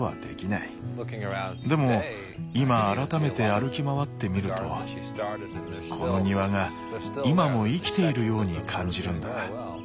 でも今改めて歩き回ってみるとこの庭が今も生きているように感じるんだ。